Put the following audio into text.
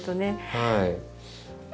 はい。